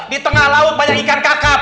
di tengah laut banyak ikan kakap